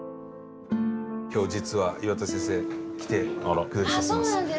今日実は岩田先生来てくれています。